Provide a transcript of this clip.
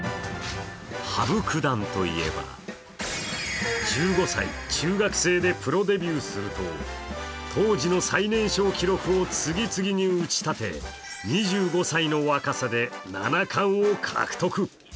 羽生九段といえば、１５歳、中学生でプロデビューすると当時の最年少記録を次々に打ちたて、２５歳の若さで七冠を獲得。